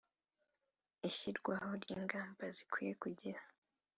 ishyirwaho ry ingamba zikwiye kugira